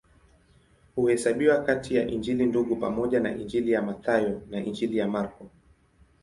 Huhesabiwa kati ya Injili Ndugu pamoja na Injili ya Mathayo na Injili ya Marko.